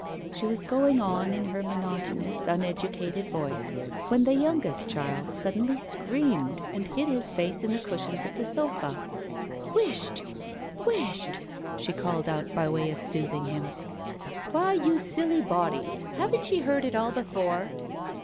...'" She was going on in her monotonous, uneducated voice, when the youngest child suddenly screamed and hid his face in the cushions of the sofa. "Whisht, whisht! " she called out, by way of sooth ing him. "Why, you silly body, haven't ye heard it all before?"